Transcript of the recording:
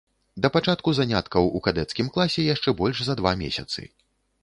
Да пачатку заняткаў ў кадэцкім класе яшчэ больш за два месяцы.